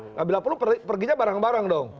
nggak bila perlu perginya bareng bareng dong